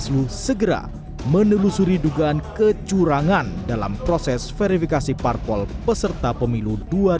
segera menelusuri dugaan kecurangan dalam proses verifikasi parpol peserta pemilu dua ribu dua puluh